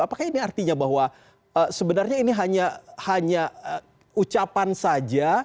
apakah ini artinya bahwa sebenarnya ini hanya ucapan saja